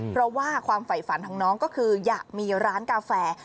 เพราะว่าความไฝฝันของน้องก็คืออยากมีร้านกาแฟ